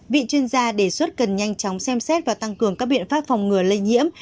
vị chuyên gia đề xuất cần nhanh chóng xem xét và tăng cường các biện pháp phòng ngừa lây nhiễm